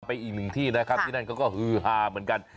อีกหนึ่งที่นะครับที่นั่นเขาก็ฮือฮาเหมือนกัน